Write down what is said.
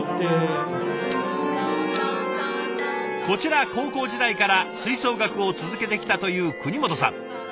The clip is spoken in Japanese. こちら高校時代から吹奏楽を続けてきたという國本さん。